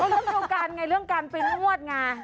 เรื่องเดียวกันไงเรื่องการไปนวดไง